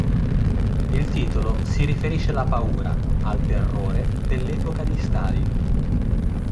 Il titolo si riferisce alla paura, al terrore, dell'epoca di Stalin.